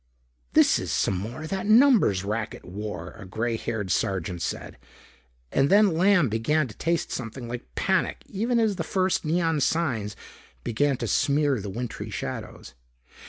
"This is some more of that numbers racket war," a gray haired sergeant said. And then Lamb began to taste something like panic even as the first neon signs began to smear the wintry shadows.